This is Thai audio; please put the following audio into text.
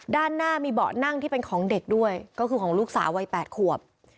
ด้านหน้ามีเบาะนั่งที่เป็นของเด็กด้วยก็คือของลูกสาววัย๘ขวบ